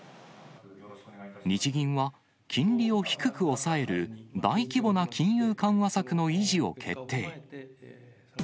日銀は、金利を低く抑える大規模な金融緩和策の維持を決定。